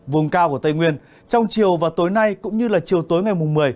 vùng cao của tây nguyên trong chiều và tối nay cũng như là chiều tối ngày mùng một mươi